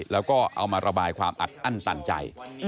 แล้วก็เอามาระบายความอัดอั้นตันใจ